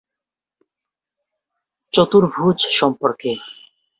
চতুর্ভুজ সম্পর্কে।